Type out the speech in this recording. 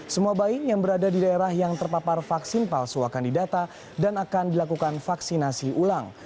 semua bayi yang berada di daerah yang terpapar vaksin palsu akan didata dan akan dilakukan vaksinasi ulang